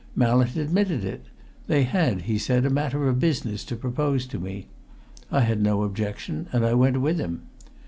Mallett admitted it they had, he said, a matter of business to propose to me. I had no objection and I went with him.